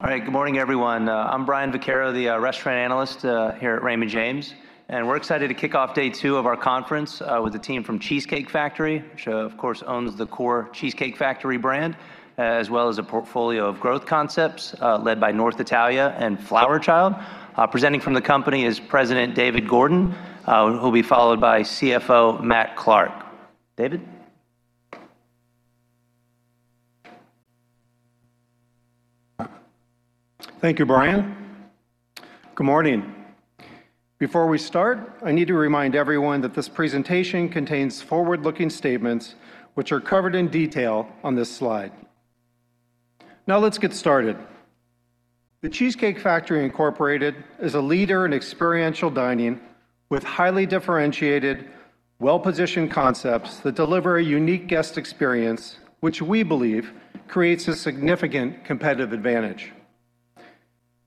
All right. Good morning, everyone. I'm Brian Vaccaro, the Restaurant Analyst here at Raymond James, and we're excited to kick off day two of our conference with the team from Cheesecake Factory, which, of course, owns the core Cheesecake Factory brand, as well as a portfolio of growth concepts led by North Italia and Flower Child. Presenting from the company is President David Gordon, who'll be followed by CFO Matt Clark. David? Thank you, Brian. Good morning. Before we start, I need to remind everyone that this presentation contains forward-looking statements which are covered in detail on this slide. Let's get started. The Cheesecake Factory Incorporated is a leader in experiential dining with highly differentiated, well-positioned concepts that deliver a unique guest experience, which we believe creates a significant competitive advantage.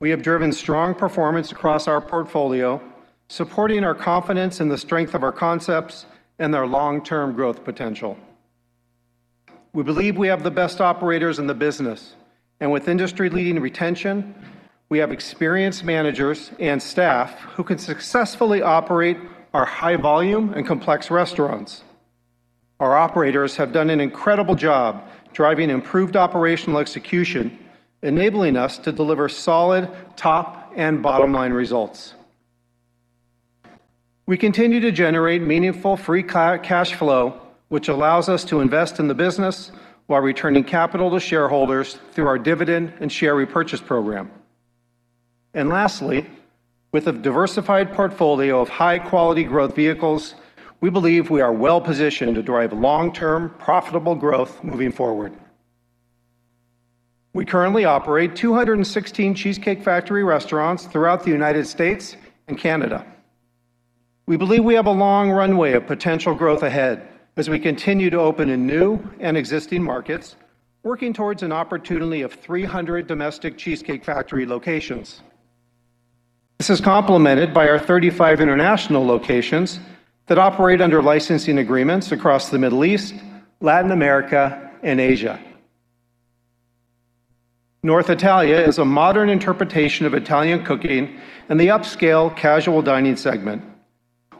We have driven strong performance across our portfolio, supporting our confidence in the strength of our concepts and their long-term growth potential. We believe we have the best operators in the business, and with industry-leading retention, we have experienced managers and staff who can successfully operate our high-volume and complex restaurants. Our operators have done an incredible job driving improved operational execution, enabling us to deliver solid top and bottom-line results. We continue to generate meaningful free cash flow, which allows us to invest in the business while returning capital to shareholders through our dividend and share repurchase program. Lastly, with a diversified portfolio of high-quality growth vehicles, we believe we are well-positioned to drive long-term, profitable growth moving forward. We currently operate 216 The Cheesecake Factory restaurants throughout the United States and Canada. We believe we have a long runway of potential growth ahead as we continue to open in new and existing markets, working towards an opportunity of 300 domestic The Cheesecake Factory locations. This is complemented by our 35 international locations that operate under licensing agreements across the Middle East, Latin America, and Asia. North Italia is a modern interpretation of Italian cooking in the upscale casual dining segment,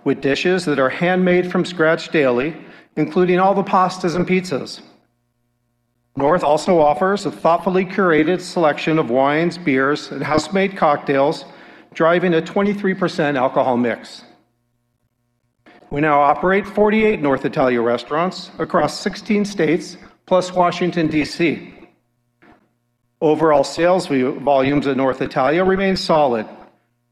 with dishes that are handmade from scratch daily, including all the pastas and pizzas. North also offers a thoughtfully curated selection of wines, beers, and house-made cocktails, driving a 23% alcohol mix. We now operate 48 North Italia restaurants across 16 states, plus Washington, D.C. Overall sales volumes at North Italia remain solid,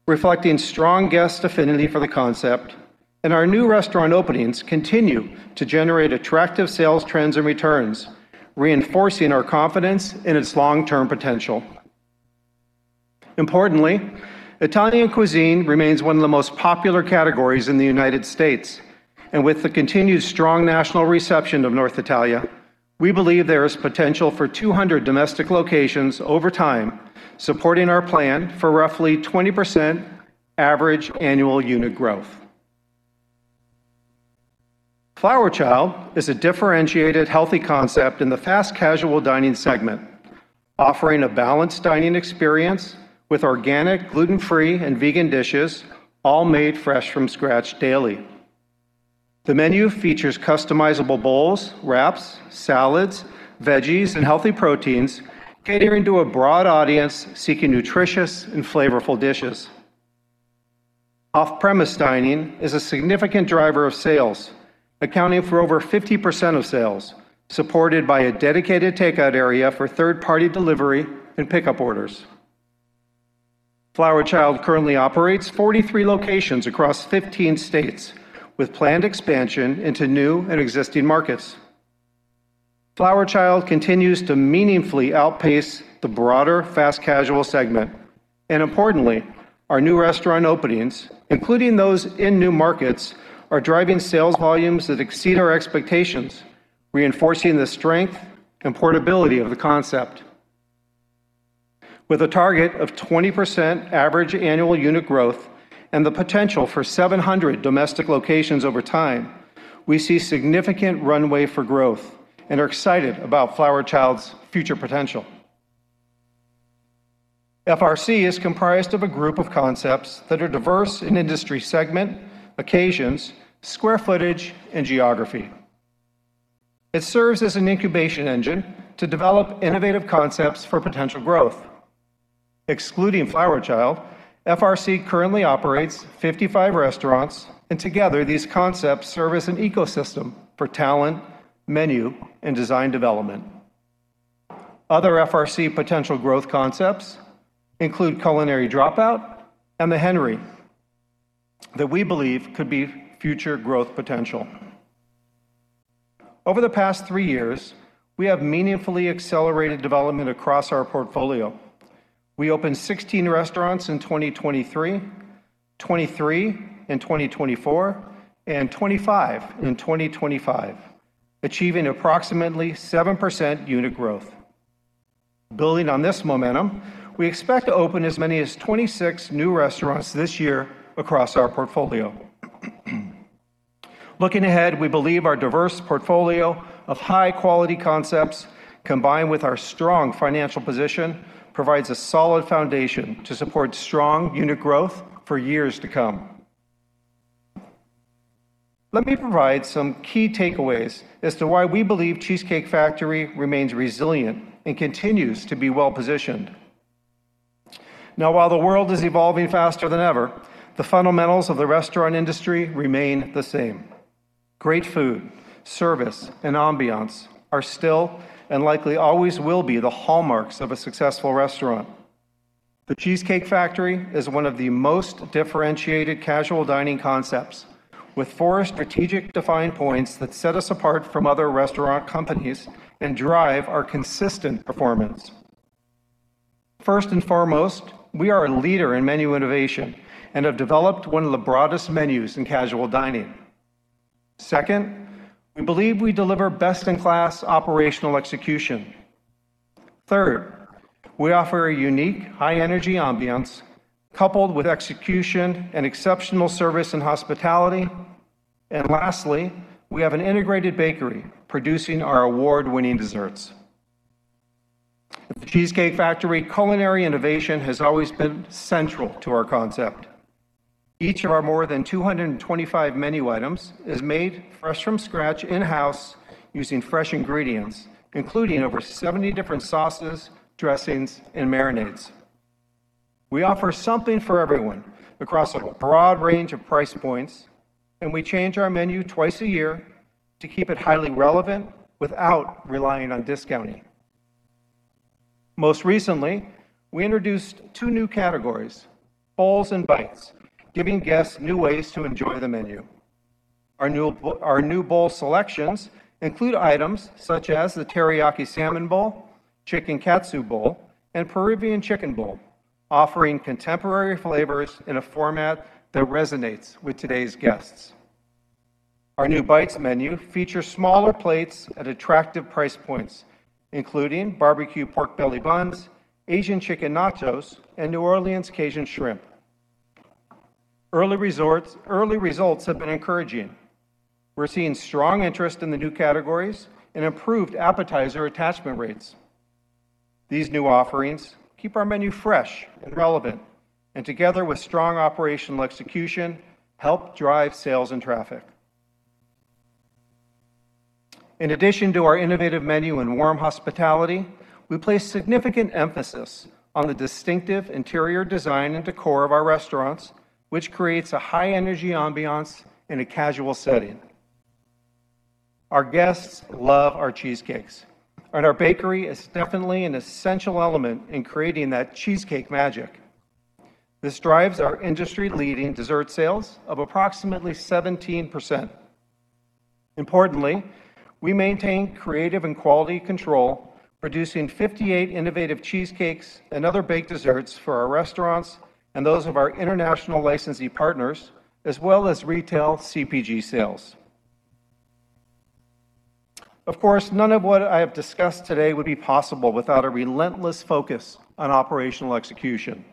reflecting strong guest affinity for the concept. Our new restaurant openings continue to generate attractive sales trends and returns, reinforcing our confidence in its long-term potential. Importantly, Italian cuisine remains one of the most popular categories in the United States. With the continued strong national reception of North Italia, we believe there is potential for 200 domestic locations over time, supporting our plan for roughly 20% average annual unit growth. Flower Child is a differentiated healthy concept in the fast casual dining segment, offering a balanced dining experience with organic, gluten-free, and vegan dishes, all made fresh from scratch daily. The menu features customizable bowls, wraps, salads, veggies, and healthy proteins, catering to a broad audience seeking nutritious and flavorful dishes. Off-premise dining is a significant driver of sales, accounting for over 50% of sales, supported by a dedicated takeout area for third-party delivery and pickup orders. Flower Child currently operates 43 locations across 15 states, with planned expansion into new and existing markets. Flower Child continues to meaningfully outpace the broader fast casual segment. Importantly, our new restaurant openings, including those in new markets, are driving sales volumes that exceed our expectations, reinforcing the strength and portability of the concept. With a target of 20% average annual unit growth and the potential for 700 domestic locations over time, we see significant runway for growth and are excited about Flower Child's future potential. FRC is comprised of a group of concepts that are diverse in industry segment, occasions, square footage, and geography. It serves as an incubation engine to develop innovative concepts for potential growth. Excluding Flower Child, FRC currently operates 55 restaurants, and together, these concepts serve as an ecosystem for talent, menu, and design development. Other FRC potential growth concepts include Culinary Dropout and The Henry that we believe could be future growth potential. Over the past three years, we have meaningfully accelerated development across our portfolio. We opened 16 restaurants in 2023, 23 in 2024, and 25 in 2025, achieving approximately 7% unit growth. Building on this momentum, we expect to open as many as 26 new restaurants this year across our portfolio. Looking ahead, we believe our diverse portfolio of high-quality concepts combined with our strong financial position provides a solid foundation to support strong unit growth for years to come. Let me provide some key takeaways as to why we believe The Cheesecake Factory remains resilient and continues to be well-positioned. Now, while the world is evolving faster than ever, the fundamentals of the restaurant industry remain the same. Great food, service, and ambiance are still, and likely always will be, the hallmarks of a successful restaurant. The Cheesecake Factory is one of the most differentiated casual dining concepts, with 4 strategic defined points that set us apart from other restaurant companies and drive our consistent performance. 1st and foremost, we are a leader in menu innovation and have developed one of the broadest menus in casual dining. 2nd, we believe we deliver best-in-class operational execution. 3rd, we offer a unique, high-energy ambiance coupled with execution and exceptional service and hospitality. Lastly, we have an integrated bakery producing our award-winning desserts. At The Cheesecake Factory, culinary innovation has always been central to our concept. Each of our more than 225 menu items is made fresh from scratch in-house using fresh ingredients, including over 70 different sauces, dressings, and marinades. We offer something for everyone across a broad range of price points, and we change our menu twice a year to keep it highly relevant without relying on discounting. Most recently, we introduced two new categories, Bowls and Bites, giving guests new ways to enjoy the menu. Our new bowl selections include items such as the Teriyaki Salmon Bowl, Chicken Katsu Bowl, and Peruvian Chicken Bowl, offering contemporary flavors in a format that resonates with today's guests. Our new Bites menu features smaller plates at attractive price points, including Barbecue Pork Belly Buns, Asian Chicken Nachos, and New Orleans Cajun Shrimp. Early results have been encouraging. We're seeing strong interest in the new categories and improved appetizer attachment rates. These new offerings keep our menu fresh and relevant, and together with strong operational execution, help drive sales and traffic. In addition to our innovative menu and warm hospitality, we place significant emphasis on the distinctive interior design and decor of our restaurants, which creates a high-energy ambiance in a casual setting. Our guests love our cheesecakes, and our bakery is definitely an essential element in creating that cheesecake magic. This drives our industry-leading dessert sales of approximately 17%. Importantly, we maintain creative and quality control, producing 58 innovative cheesecakes and other baked desserts for our restaurants and those of our international licensee partners, as well as retail CPG sales. Of course, none of what I have discussed today would be possible without a relentless focus on operational execution.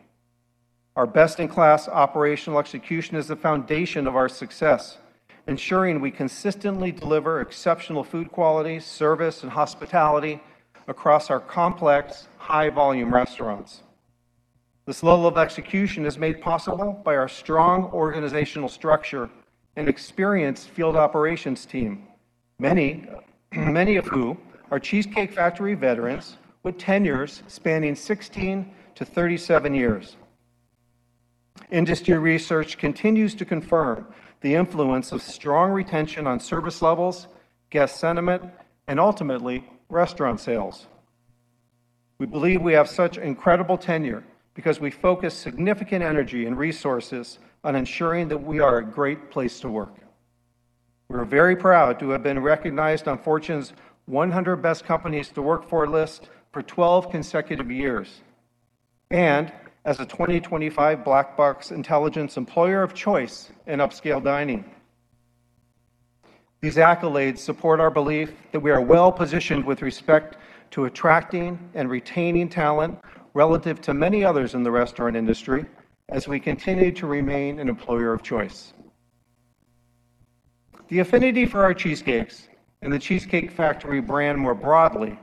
Our best-in-class operational execution is the foundation of our success, ensuring we consistently deliver exceptional food quality, service, and hospitality across our complex, high-volume restaurants. This level of execution is made possible by our strong organizational structure and experienced field operations team, many of who are The Cheesecake Factory veterans with tenures spanning 16-37 years. Industry research continues to confirm the influence of strong retention on service levels, guest sentiment, and ultimately, restaurant sales. We believe we have such incredible tenure because we focus significant energy and resources on ensuring that we are a great place to work. We are very proud to have been recognized on Fortune's 100 Best Companies to Work For list for 12 consecutive years and as a 2025 Black Box Intelligence Employer of Choice in upscale dining. These accolades support our belief that we are well-positioned with respect to attracting and retaining talent relative to many others in the restaurant industry as we continue to remain an Employer of Choice. The affinity for our cheesecakes and The Cheesecake Factory brand more broadly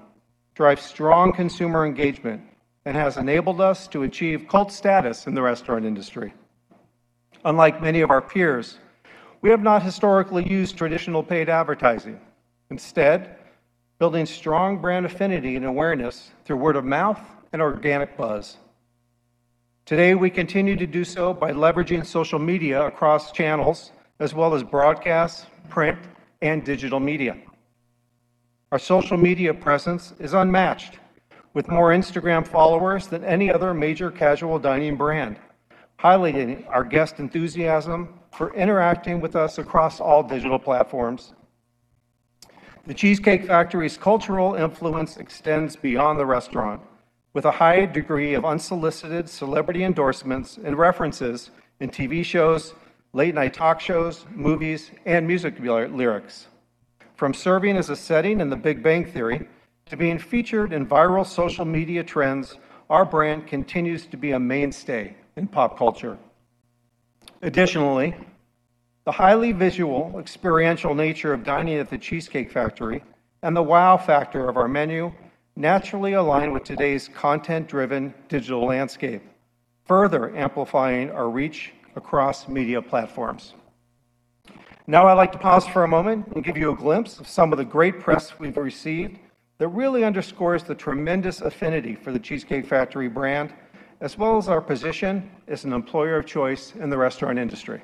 drives strong consumer engagement and has enabled us to achieve cult status in the restaurant industry. Unlike many of our peers, we have not historically used traditional paid advertising, instead building strong brand affinity and awareness through word of mouth and organic buzz. Today, we continue to do so by leveraging social media across channels as well as broadcast, print, and digital media. Our social media presence is unmatched, with more Instagram followers than any other major casual dining brand, highlighting our guest enthusiasm for interacting with us across all digital platforms. The Cheesecake Factory's cultural influence extends beyond the restaurant, with a high degree of unsolicited celebrity endorsements and references in TV shows, late-night talk shows, movies, and music lyrics. From serving as a setting in The Big Bang Theory, to being featured in viral social media trends, our brand continues to be a mainstay in pop culture. Additionally, the highly visual experiential nature of dining at The Cheesecake Factory and the wow factor of our menu naturally align with today's content-driven digital landscape, further amplifying our reach across media platforms. Now I'd like to pause for a moment and give you a glimpse of some of the great press we've received that really underscores the tremendous affinity for The Cheesecake Factory brand, as well as our position as an Employer of Choice in the restaurant industry.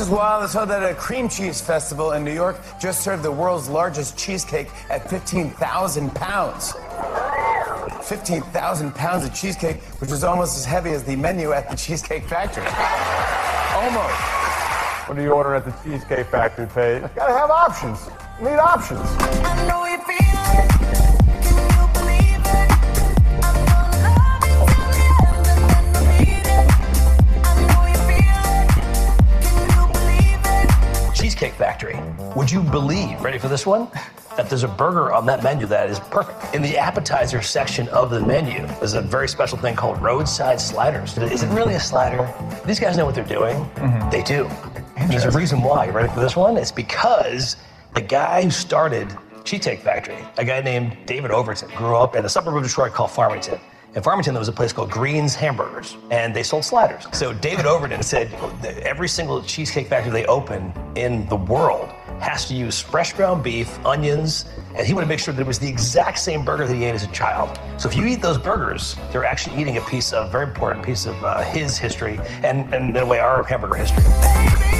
Well, this is wild. I saw that a cream cheese festival in New York just served the world's largest cheesecake at 15,000 lbs. 15,000 lbs of cheesecake, which is almost as heavy as the menu at The Cheesecake Factory. Almost. What do you order at The Cheesecake Factory, Paige? Gotta have options. Need options. I know you feel it. Can you believe it? I found love in your hands and then repeated. I know you feel it. Can you believe it? Cheesecake Factory, would you believe, ready for this one? There's a burger on that menu that is perfect. In the appetizer section of the menu, there's a very special thing called Roadside Sliders. It isn't really a slider. These guys know what they're doing. They do. Interesting. There's a reason why. You ready for this one? It's because the guy who started Cheesecake Factory, a guy named David Overton, grew up in a suburb of Detroit called Farmington. In Farmington, there was a place called Greene's Hamburgers, and they sold sliders. David Overton said that every single Cheesecake Factory they open in the world has to use fresh ground beef, onions, and he wanted to make sure that it was the exact same burger that he ate as a child. If you eat those burgers, you're actually eating a piece of, a very important piece of his history and, in a way, our hamburger history.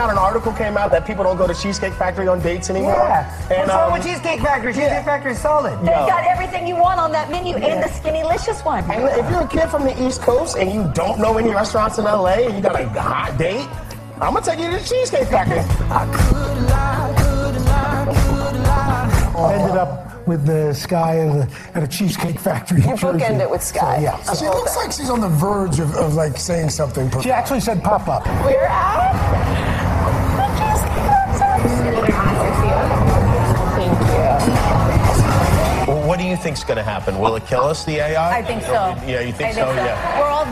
Baby, you and me. For infinity. My eternity. My eternity. Baby, you and me. For infinity. My eternity, yeah. I'll love you for life, lifetimes. Oh baby, you and me. Coming strong. I think something came out, an article came out that people don't go to Cheesecake Factory on dates anymore. Yeah. And, uh- What's wrong with Cheesecake Factory? Yeah. Cheesecake Factory's solid. You know? They've got everything you want on that menu. Yeah. The SkinnyLicious one. If you're a kid from the East Coast and you don't know any restaurants in L.A. and you got like a hot date, I'ma take you to Cheesecake Factory. I could lie. Ended up with, Skye at a Cheesecake Factory in Jersey. Bookended with Skye. Yeah. I love that. She looks like she's on the verge of like saying something. She actually said, "Pop up. We're at The Cheesecake Factory. Thank you. What do you think's gonna happen? Will it kill us, the AI? I think so. Yeah, you think so? Yeah.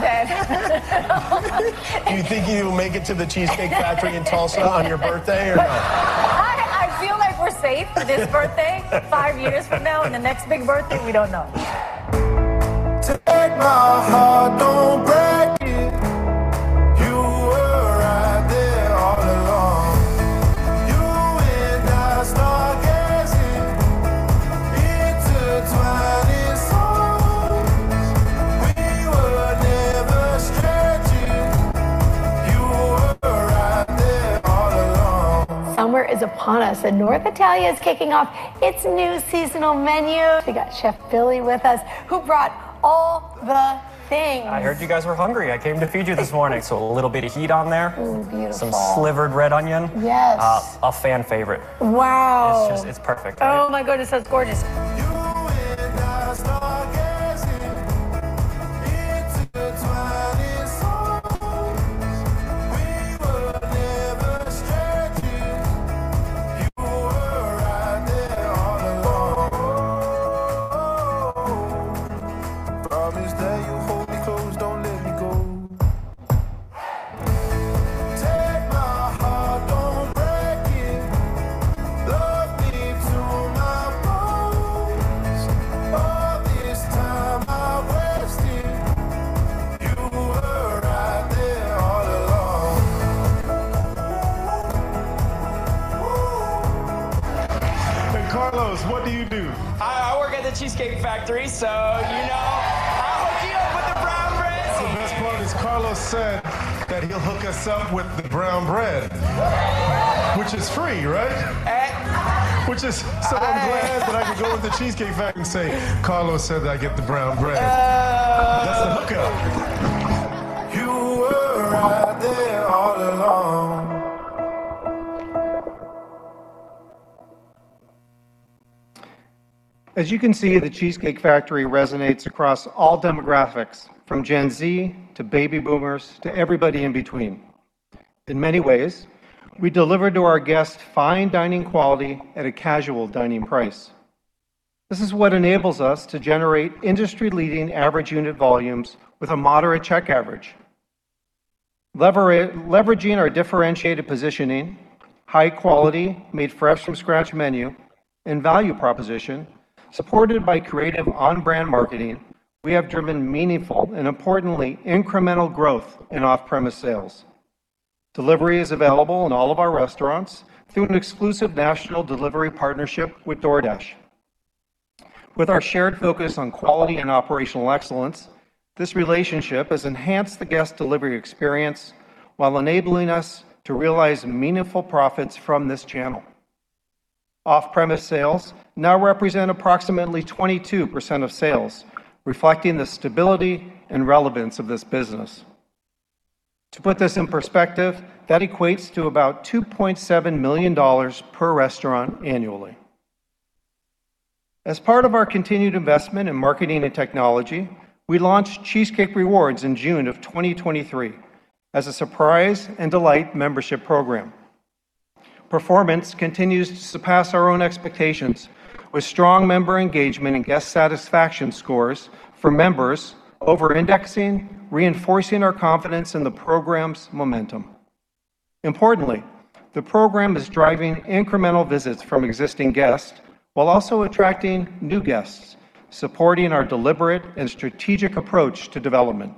It is, we're all dead. Do you think you'll make it to The Cheesecake Factory in Tulsa on your birthday or no? I feel like we're safe this birthday. Five years from now, on the next big birthday, we don't know. Take my heart, don't break it. You were right there all along. You and I stargazing. Intertwining souls. We were never strangers. You were right there all along. Summer is upon us, and North Italia's kicking off its new seasonal menu. We got Chef Billy with us, who brought all the things. I heard you guys were hungry. I came to feed you this morning. So a little bit of heat on there. Ooh, beautiful. Some slivered red onion. Yes. A fan favorite. Wow. It's just, it's perfect, right? Oh my goodness, that's gorgeous. You and I stargazing. Intertwining souls. We were never strangers. You were right there all along. Promise that you'll hold me close, don't let me go. Hey! Take my heart, don't break it. Love me to my bones. All this time I wasted. You were right there all along. Ooh. Carlos, what do you do? I work at The Cheesecake Factory, so you know I'll hook you up with the brown bread too. The best part is Carlos said that he'll hook us up with the brown bread. Which is free, right? Eh. Which is, so I'm glad- Eh... That I can go into Cheesecake Factory and say, "Carlos said I get the brown bread. Oh. That's the hookup. You were right there all along. As you can see, The Cheesecake Factory resonates across all demographics, from Gen Z to baby boomers to everybody in between. In many ways, we deliver to our guests fine dining quality at a casual dining price. This is what enables us to generate industry-leading Average Unit Volumes with a moderate check average. Leveraging our differentiated positioning, high quality, made fresh from scratch menu, and value proposition, supported by creative on-brand marketing, we have driven meaningful and, importantly, incremental growth in off-premise sales. Delivery is available in all of our restaurants through an exclusive national delivery partnership with DoorDash. With our shared focus on quality and operational excellence, this relationship has enhanced the guest delivery experience while enabling us to realize meaningful profits from this channel. Off-premise sales now represent approximately 22% of sales, reflecting the stability and relevance of this business. To put this in perspective, that equates to about $2.7 million per restaurant annually. As part of our continued investment in marketing and technology, we launched Cheesecake Rewards in June of 2023 as a surprise and delight membership program. Performance continues to surpass our own expectations with strong member engagement and guest satisfaction scores for members over-indexing, reinforcing our confidence in the program's momentum. Importantly, the program is driving incremental visits from existing guests while also attracting new guests, supporting our deliberate and strategic approach to development.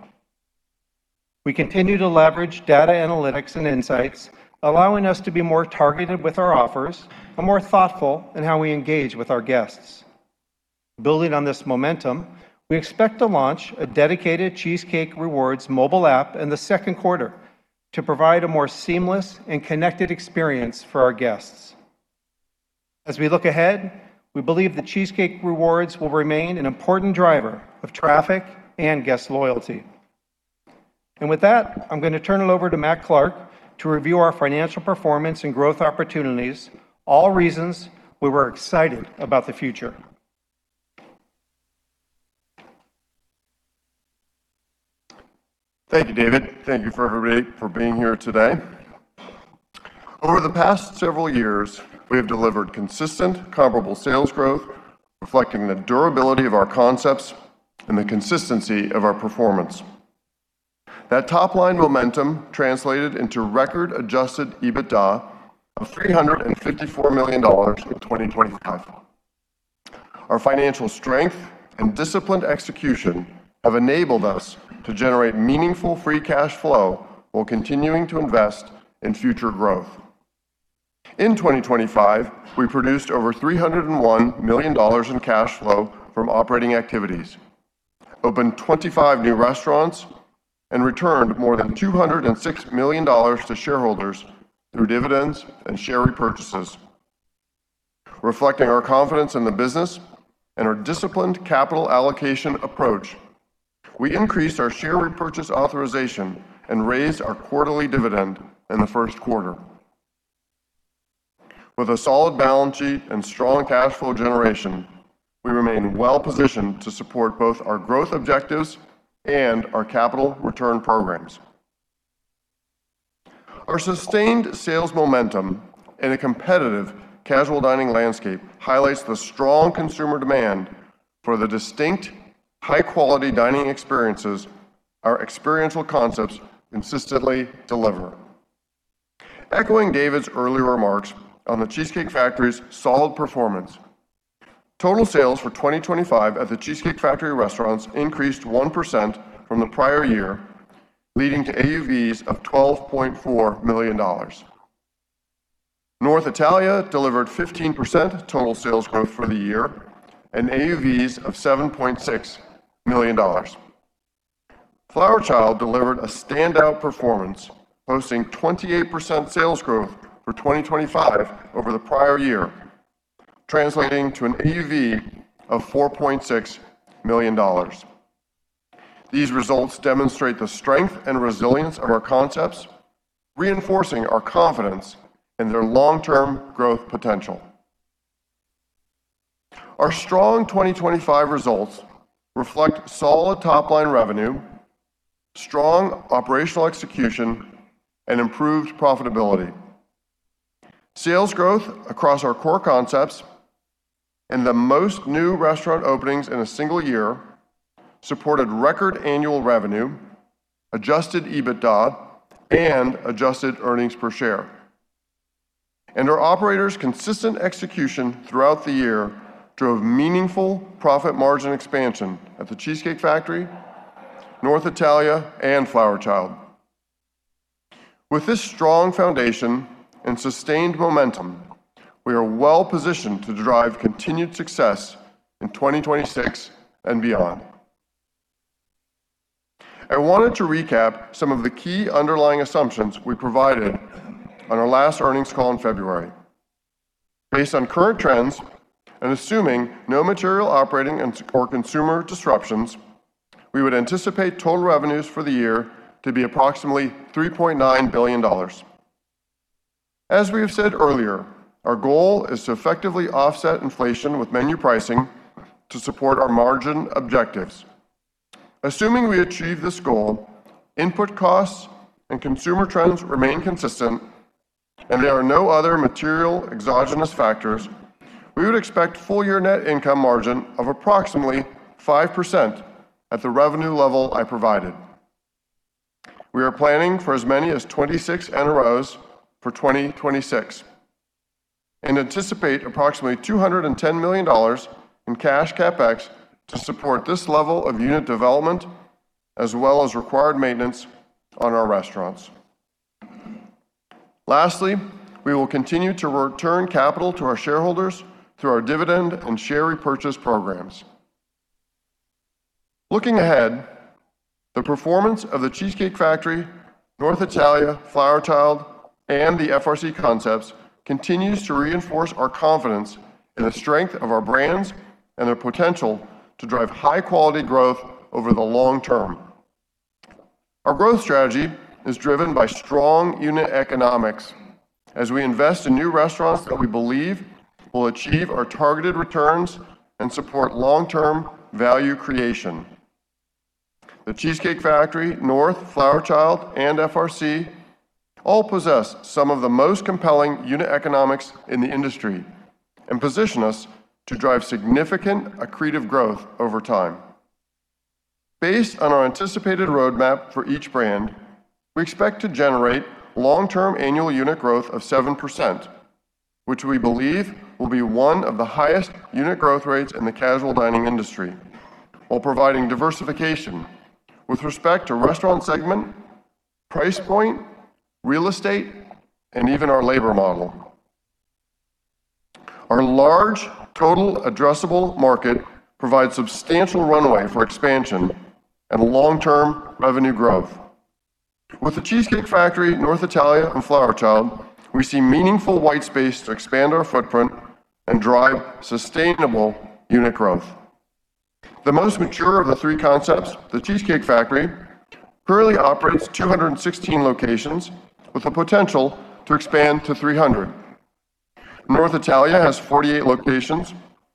We continue to leverage data analytics and insights, allowing us to be more targeted with our offers and more thoughtful in how we engage with our guests. Building on this momentum, we expect to launch a dedicated Cheesecake Rewards mobile app in the second quarter to provide a more seamless and connected experience for our guests. As we look ahead, we believe that Cheesecake Rewards will remain an important driver of traffic and guest loyalty. With that, I'm going to turn it over to Matt Clark to review our financial performance and growth opportunities, all reasons we were excited about the future. Thank you, David. Thank you for everybody for being here today. Over the past several years, we have delivered consistent comparable sales growth, reflecting the durability of our concepts and the consistency of our performance. That top-line momentum translated into record adjusted EBITDA of $354 million in 2025. Our financial strength and disciplined execution have enabled us to generate meaningful free cash flow while continuing to invest in future growth. In 2025, we produced over $301 million in cash flow from operating activities, opened 25 new restaurants, and returned more than $206 million to shareholders through dividends and share repurchases. Reflecting our confidence in the business and our disciplined capital allocation approach, we increased our share repurchase authorization and raised our quarterly dividend in the first quarter. With a solid balance sheet and strong cash flow generation, we remain well-positioned to support both our growth objectives and our capital return programs. Our sustained sales momentum in a competitive casual dining landscape highlights the strong consumer demand for the distinct, high-quality dining experiences our experiential concepts consistently deliver. Echoing David's earlier remarks on The Cheesecake Factory's solid performance, total sales for 2025 at The Cheesecake Factory restaurants increased 1% from the prior year, leading to AUVs of $12.4 million. North Italia delivered 15% total sales growth for the year and AUVs of $7.6 million. Flower Child delivered a standout performance, posting 28% sales growth for 2025 over the prior year, translating to an AUV of $4.6 million. These results demonstrate the strength and resilience of our concepts, reinforcing our confidence in their long-term growth potential. Our strong 2025 results reflect solid top-line revenue, strong operational execution, and improved profitability. Sales growth across our core concepts and the most new restaurant openings in a single year supported record annual revenue, adjusted EBITDA, and adjusted earnings per share. Our operators' consistent execution throughout the year drove meaningful profit margin expansion at The Cheesecake Factory, North Italia, and Flower Child. With this strong foundation and sustained momentum, we are well-positioned to drive continued success in 2026 and beyond. I wanted to recap some of the key underlying assumptions we provided on our last earnings call in February. Based on current trends and assuming no material operating or consumer disruptions, we would anticipate total revenues for the year to be approximately $3.9 billion. We have said earlier, our goal is to effectively offset inflation with menu pricing to support our margin objectives. Assuming we achieve this goal, input costs and consumer trends remain consistent, and there are no other material exogenous factors, we would expect full year net income margin of approximately 5% at the revenue level I provided. We are planning for as many as 26 NROs for 2026 and anticipate approximately $210 million in cash CapEx to support this level of unit development as well as required maintenance on our restaurants. Lastly, we will continue to return capital to our shareholders through our dividend and share repurchase programs. Looking ahead, the performance of The Cheesecake Factory, North Italia, Flower Child, and the FRC concepts continues to reinforce our confidence in the strength of our brands and their potential to drive high quality growth over the long term. Our growth strategy is driven by strong unit economics as we invest in new restaurants that we believe will achieve our targeted returns and support long-term value creation. The Cheesecake Factory, North, Flower Child, and FRC all possess some of the most compelling unit economics in the industry and position us to drive significant accretive growth over time. Based on our anticipated roadmap for each brand, we expect to generate long-term annual unit growth of 7%, which we believe will be one of the highest unit growth rates in the casual dining industry while providing diversification with respect to restaurant segment, price point, real estate, and even our labor model. Our large total addressable market provides substantial runway for expansion and long-term revenue growth. With The Cheesecake Factory, North Italia, and Flower Child, we see meaningful white space to expand our footprint and drive sustainable unit growth. The most mature of the three concepts, The Cheesecake Factory, currently operates 216 locations with the potential to expand to 300. North Italia has 48 locations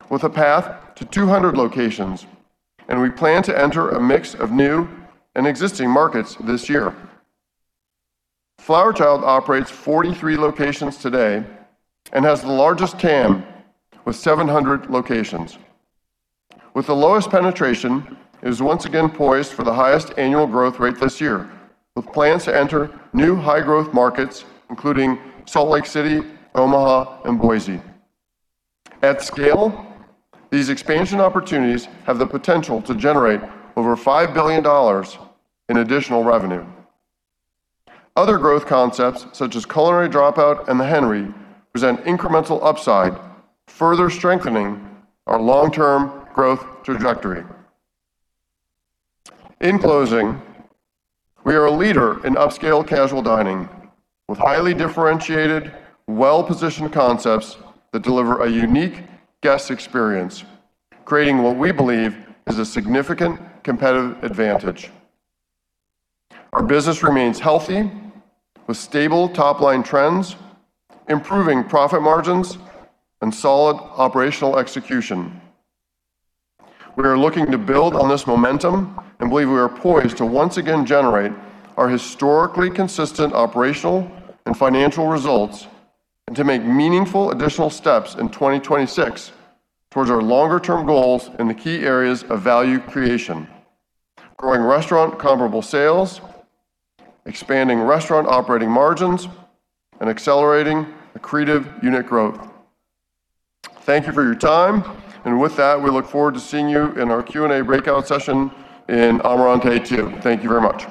with a path to 200 locations, and we plan to enter a mix of new and existing markets this year. Flower Child operates 43 locations today and has the largest TAM with 700 locations. With the lowest penetration, it is once again poised for the highest annual growth rate this year, with plans to enter new high growth markets, including Salt Lake City, Omaha, and Boise. At scale, these expansion opportunities have the potential to generate over $5 billion in additional revenue. Other growth concepts such as Culinary Dropout and The Henry present incremental upside, further strengthening our long-term growth trajectory. In closing, we are a leader in upscale casual dining with highly differentiated, well-positioned concepts that deliver a unique guest experience, creating what we believe is a significant competitive advantage. Our business remains healthy with stable top-line trends, improving profit margins, and solid operational execution. We are looking to build on this momentum and believe we are poised to once again generate our historically consistent operational and financial results and to make meaningful additional steps in 2026 towards our longer-term goals in the key areas of value creation, growing restaurant comparable sales, expanding restaurant operating margins, and accelerating accretive unit growth. Thank you for your time. With that, we look forward to seeing you in our Q&A breakout session in Amarante 2. Thank you very much.